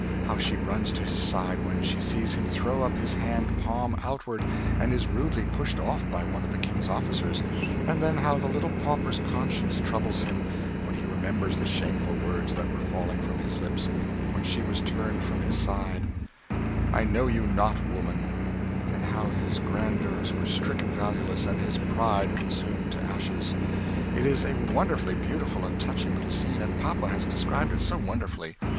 How she runs to his side, when she sees him throw up his hand palm outward, and is rudely pushed off by one of the King's officers, and then how the little pauper's consceince troubles him when he remembers the shameful words that were falling from his lips, when she was turned from his side "I know you not woman" and how his grandeurs were stricken valueless, and his pride consumed to ashes. It is a wonderfully beautiful and touching little scene, and papa has described it so wonderfully.